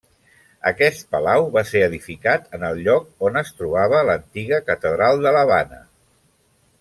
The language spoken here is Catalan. Aquest palau va ser edificat en el lloc on es trobava l'antiga catedral de l'Havana.